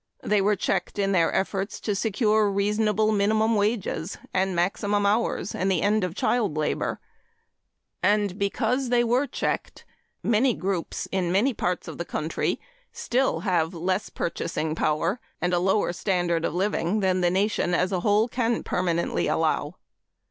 They were checked in their efforts to secure reasonable minimum wages and maximum hours and the end of child labor. And because they were checked, many groups in many parts of the country still have less purchasing power and a lower standard of living than the nation as a whole can permanently allow.